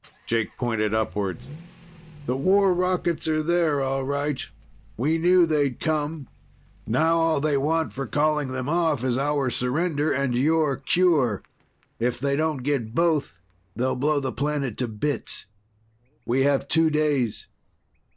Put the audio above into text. Jake pointed upwards. "The war rockets are there, all right. We knew they'd come. Now all they want for calling them off is our surrender and your cure. If they don't get both, they'll blow the planet to bits. We have two days."